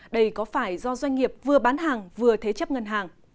do doanh nghiệp vừa bán hàng vừa thế chấp ngân hàng